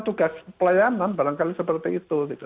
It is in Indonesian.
tugas pelayanan barangkali seperti itu